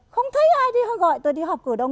không thấy ai gọi tôi đi họp cổ đông